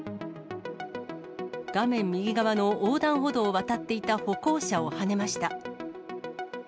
画面右側の横断歩道を渡っていた歩行者をはねました。